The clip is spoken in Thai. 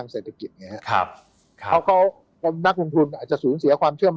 เศรษฐกิจอย่างเงี้ยครับครับเขาก็นักลงทุนอาจจะสูญเสียความเทื่อม